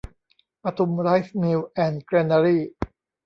ปทุมไรซมิล แอนด์ แกรนารี